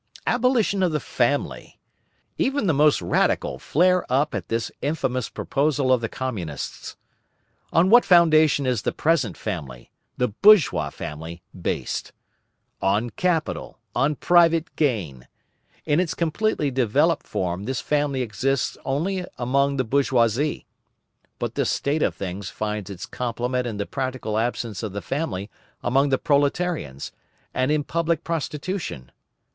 Abolition of the family! Even the most radical flare up at this infamous proposal of the Communists. On what foundation is the present family, the bourgeois family, based? On capital, on private gain. In its completely developed form this family exists only among the bourgeoisie. But this state of things finds its complement in the practical absence of the family among the proletarians, and in public prostitution.